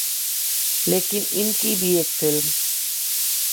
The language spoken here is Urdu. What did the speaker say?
لیکن ان کی بھی ایک فلم